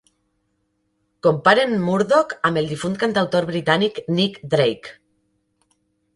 Comparen Murdoch amb el difunt cantautor britànic Nick Drake.